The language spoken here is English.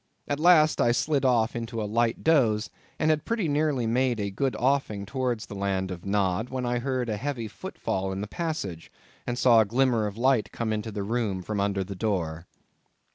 At last I slid off into a light doze, and had pretty nearly made a good offing towards the land of Nod, when I heard a heavy footfall in the passage, and saw a glimmer of light come into the room from under the door.